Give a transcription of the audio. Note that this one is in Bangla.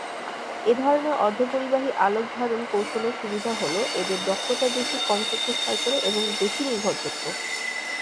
এ ধরনের অর্ধপরিবাহী আলোক-ধারণ কৌশলের সুবিধা হল, এদের দক্ষতা বেশি, কম শক্তি ক্ষয় করে এবং বেশি নির্ভরযোগ্য।